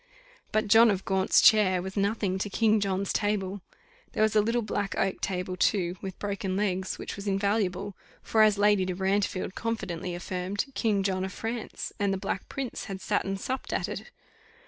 But John of Gaunt's chair was nothing to King John's table. There was a little black oak table, too, with broken legs, which was invaluable for, as Lady de Brantefield confidently affirmed, King John of France, and the Black Prince, had sat and supped at it.